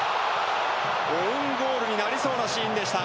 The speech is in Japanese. オウンゴールになりそうなシーンでした。